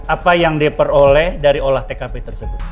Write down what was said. apa yang diperoleh dari olah tkp tersebut